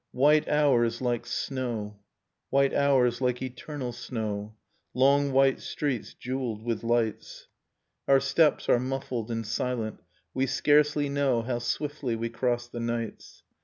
White hours like snow, white hours like eternal snow ... Long white streets jewelled with lights ... Our steps are muffled and silent, we scarcely know How swiftly we cross the nights.